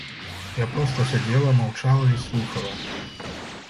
Я проста сядзела, маўчала і слухала.